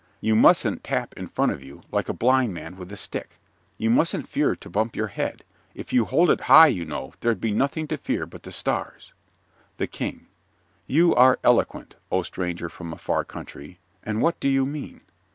You mustn't tap in front of you, like a blind man with a stick. You mustn't fear to bump your head. If you hold it high, you know, there'd be nothing to fear but the stars. THE KING You are eloquent, O stranger from a far country, and what do you mean?